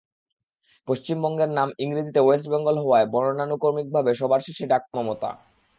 পশ্চিমবঙ্গের নাম ইংরেজিতে ওয়েস্ট বেঙ্গল হওয়ায় বর্ণানুক্রমিকভাবে সবার শেষে ডাক পান মমতা।